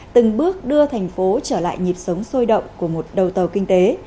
từng bước đưa thành phố trở lại nhịp sống sôi động của một đầu tàu kinh tế